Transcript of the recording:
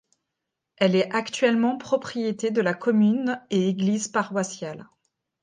Elle est actuellement propriété de la commune et église paroissiale.